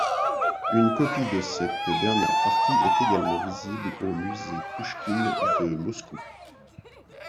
Une copie de cette dernière partie est également visible au musée Pushkin de Moscou.